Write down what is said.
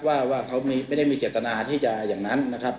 ว่าเขาไม่ได้มีเจตนาที่จะอย่างนั้นนะครับ